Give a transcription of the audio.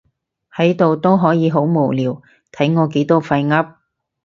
喺度都可以好無聊，睇我幾多廢噏